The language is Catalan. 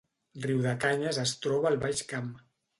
Riudecanyes es troba al Baix Camp